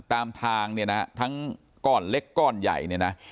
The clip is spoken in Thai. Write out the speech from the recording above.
ตามทางเนี่ยนะทั้งก้อนเล็กก้อนใหญ่เนี่ยนะ